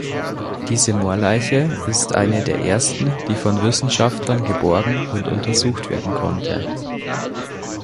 Diese Moorleiche ist eine der ersten, die von Wissenschaftlern geborgen und untersucht werden konnte.